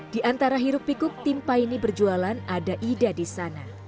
di antara hiruk pikuk tim paine berjualan ada ida di sana